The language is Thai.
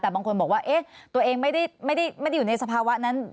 แต่บางคนบอกว่าตัวเองไม่ได้อยู่ในสภาวะนั้น